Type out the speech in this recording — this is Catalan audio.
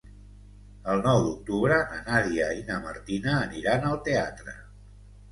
El nou d'octubre na Nàdia i na Martina aniran al teatre.